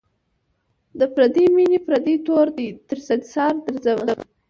د پردۍ میني پردی تور دی تر سنگساره درځم